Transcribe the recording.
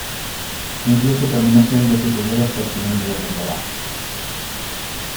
Incluso terminó siendo titular hasta el final de la temporada.